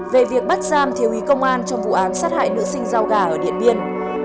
về việc bắt giam thiếu ý công an trong vụ án sát hại nữ sinh rau gà ở điện biên